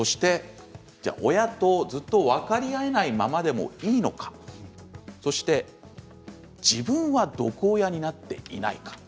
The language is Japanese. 親とずっと分かり合えないままでもいいのか自分は毒親になっていないか